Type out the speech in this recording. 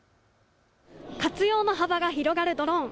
活用の幅が広がるドローン。